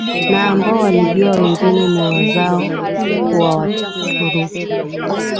na ambao walijua wengine ni wazao wa Waturuki